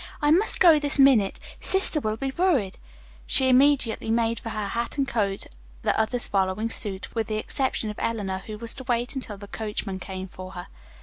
I must go this minute. Sister will be worried." She immediately made for her hat and coat, the others following suit, with the exception of Eleanor, who was to wait until the coachman came for her.